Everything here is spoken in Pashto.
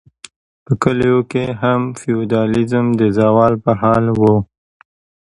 په کلیو کې هم فیوډالیزم د زوال په حال و.